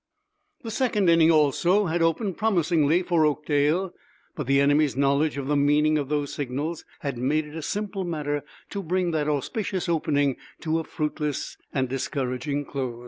The second inning, also, had opened promisingly for Oakdale, but the enemy's knowledge of the meaning of those signals had made it a simple matter to bring that auspicious opening to a fruitless and discouraging close.